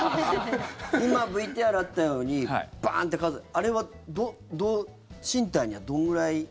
今、ＶＴＲあったようにバーンッて傘あれはどう身体にはどのぐらい？